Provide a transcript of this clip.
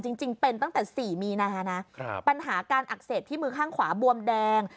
จริงจริงเป็นตั้งแต่สี่มีนะฮะนะครับปัญหาการอักเสบที่มือข้างขวาบวมแดง